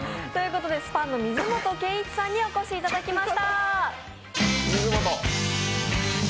ｓｐａｎ！の水本健一さんにお越しいただきました。